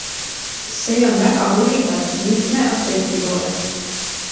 See on väga huvitav mitme aspekti poolest.